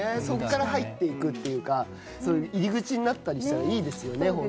そっから入っていくっていうか入り口になったりしたらいいですよね